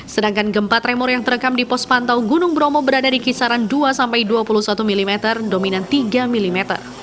sedangkan gempa tremor yang terekam di pos pantau gunung bromo berada di kisaran dua sampai dua puluh satu mm dominan tiga mm